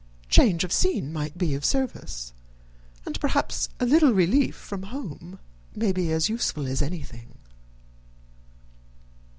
Change of scene might be of service and perhaps a little relief from home may be as useful as anything."